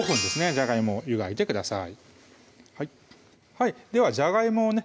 じゃがいもを湯がいてくださいではじゃがいもをね